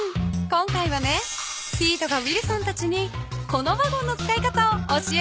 今回はねピートがウィルソンたちにこのワゴンの使い方を教えるよ。